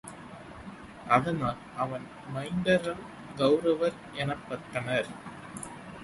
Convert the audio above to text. அதனால் அவன் மைந்தர்கள் கவுரவர் எனப்பட்டனர்.